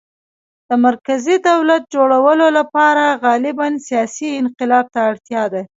د مرکزي دولت جوړولو لپاره غالباً سیاسي انقلاب ته اړتیا ده